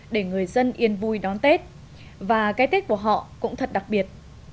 để người dân yên vui đón tết và cái tết của họ cũng thật đặc biệt